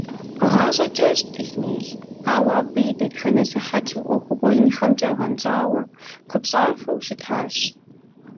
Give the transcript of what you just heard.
ГъащӀэ кӀэщӀт Исмел, ауэ абы и дэтхэнэ сыхьэтри Ӏуэхугъуэ инхэмкӀэ гъэнщӀауэ, купщӀафӀэу щытащ.